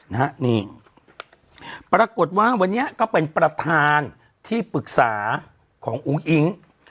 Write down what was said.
นะฮะนี่ปรากฏว่าวันนี้ก็เป็นประธานที่ปรึกษาของอุ้งอิ๊ง